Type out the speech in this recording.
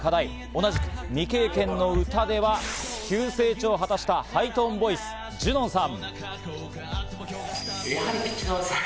同じく未経験の歌では急成長を果たしたハイトーンボイス、ジュノンさん。